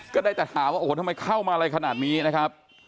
ก็ได้แต่ถามว่าโอ้โหทำไมเข้ามาอะไรขนาดนี้นะครับ